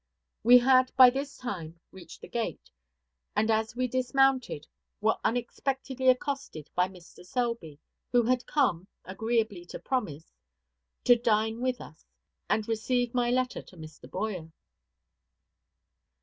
We had by this time reached the gate, and as we dismounted, were unexpectedly accosted by Mr. Selby, who had come, agreeably to promise, to dine with us, and receive my letter to Mr. Boyer.